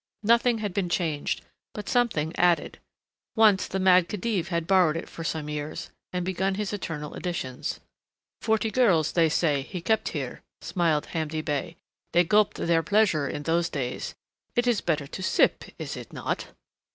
Nothing had been changed, but something added. Once the Mad Khedive had borrowed it for some years and begun his eternal additions. "Forty girls, they say, he kept here," smiled Hamdi Bey. "They gulped their pleasure, in those days. It is better to sip, is it not?"